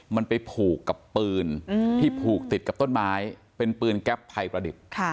มันไปผูกกับปืนที่ผูกติดกับต้นไม้เป็นปืนแก๊ปภัยประดิษฐ์